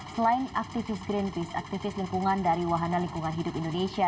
selain aktivis greenpeace aktivis lingkungan dari wahana lingkungan hidup indonesia